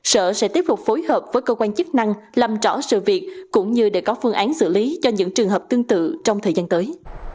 sở sẽ tiếp tục phối hợp với cơ quan chức năng làm rõ sự việc cũng như để có phương án xử lý cho những trường hợp tương tự trong thời gian tới